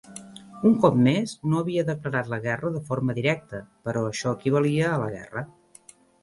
Un cop més, no havia declarat la guerra de forma directa, però això equivalia a la guerra.